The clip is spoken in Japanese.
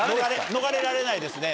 逃れられないですね。